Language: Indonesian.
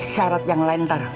syarat yang lain ntar